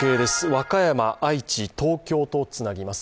和歌山、愛知、東京とつなぎます。